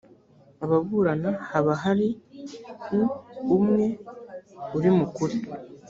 ababurana haba hari uumwe urimukuri.